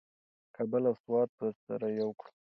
کابل او سوات به سره یو کړو.